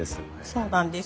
そうなんです。